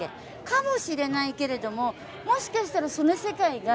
かもしれないけれどももしかしたらその世界がちょっとのぞけるなら。